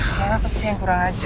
siapa sih yang kurang ajar